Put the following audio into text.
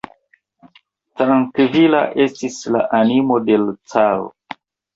Trankvila estis la animo de l' caro.